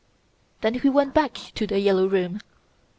"Then he went back to "The Yellow Room".